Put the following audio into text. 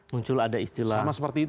muncul ada istilah